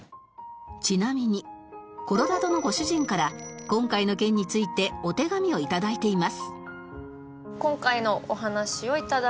ちなみにコロラドのご主人から今回の件についてお手紙を頂いています